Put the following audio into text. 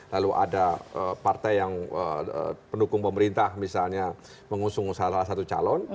lalu ada partai yang pendukung pemerintah misalnya mengusung salah satu calon